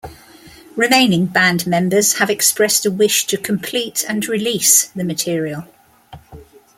Remaining band members have expressed a wish to complete and release the material.